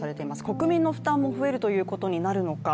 国民の負担も増えるということになるのか。